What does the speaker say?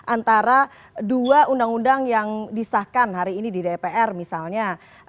antara dua undang undang yang disahkan hari ini di dpr misalnya